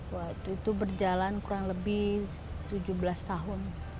waktu itu berjalan kurang lebih tujuh belas tahun